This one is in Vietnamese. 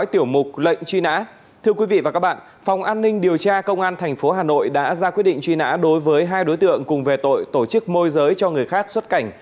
tình truy nã đối với hai đối tượng cùng về tội tổ chức môi giới cho người khác xuất cảnh